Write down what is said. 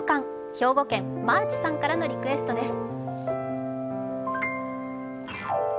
兵庫県・Ｍａｒｃｈさんからのリクエストです。